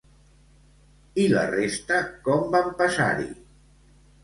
I la resta com van passar-hi?